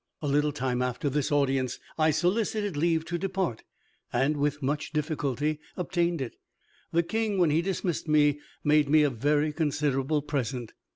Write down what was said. A little time after this audience I solicited leave to depart, and with much difficulty obtained it. The king, when he dismissed me, made me a very considerable present.